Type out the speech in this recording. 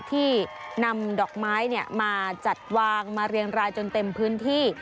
ที่นำดอกไม้มาจัดวางมาเรียงรายจนเต็มพื้นที่